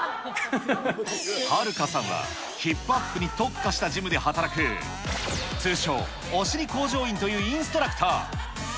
ハルカさんは、ヒップアップに特化したジムで働く通称、お尻工場員というインストラクター。